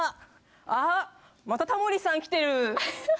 あっまたタモリさん来てる！